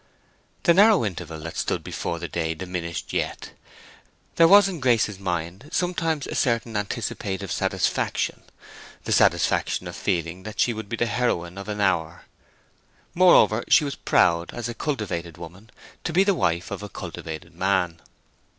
The narrow interval that stood before the day diminished yet. There was in Grace's mind sometimes a certain anticipative satisfaction, the satisfaction of feeling that she would be the heroine of an hour; moreover, she was proud, as a cultivated woman, to be the wife of a cultivated man.